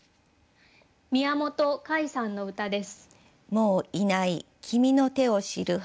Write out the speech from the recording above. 宮本魁さんの歌です。